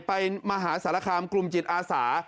มหาสารคามกลุ่มจิตอาสา